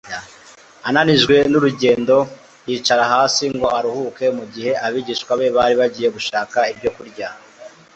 Ananijwe n’urugendo, yicara hasi ngo aruhuke mu gihe abigishwa be bari bagiye gushaka ibyo kurya